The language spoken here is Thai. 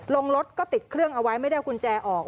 รถก็ติดเครื่องเอาไว้ไม่ได้เอากุญแจออก